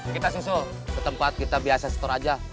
kita susu ke tempat kita biasa setor aja